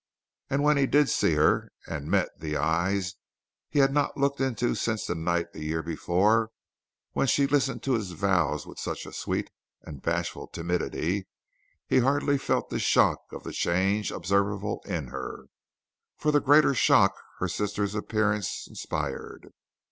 And when he did see her, and met the eyes he had not looked into since that night a year before when she listened to his vows with such a sweet and bashful timidity, he hardly felt the shock of the change observable in her, for the greater shock her sister's appearance inspired.